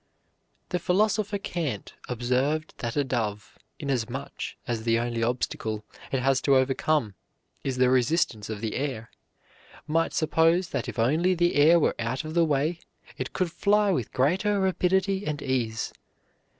The philosopher Kant observed that a dove, inasmuch as the only obstacle it has to overcome is the resistance of the air, might suppose that if only the air were out of the way it could fly with greater rapidity and ease.